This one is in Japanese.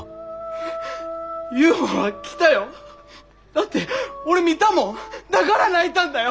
だって俺見たもんだから泣いたんだよ！